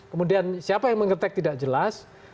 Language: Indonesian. kemudian siapa yang mengetek tidak jelas